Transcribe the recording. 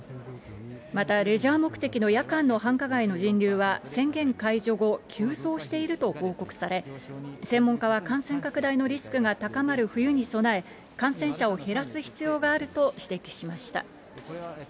またレジャー目的の夜間の繁華街の人流は、宣言解除後、急増していると報告され、専門家は感染拡大のリスクが高まる冬に備え、感染者を減らす必要があると指摘しました。